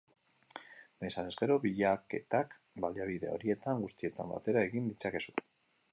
Nahi izanez gero, bilaketak baliabide horietan guztietan batera egin ditzakezu.